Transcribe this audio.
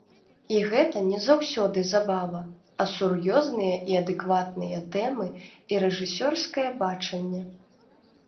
І гэта не заўсёды забава, а сур'ёзныя і адэкватныя тэмы і рэжысёрскае бачанне.